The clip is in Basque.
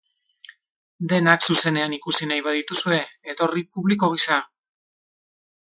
Denak zuzenean ikusi nahi badituzue, etorri publiko gisa!